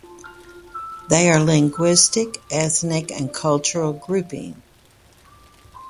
They are a linguistic, ethnic and cultural grouping.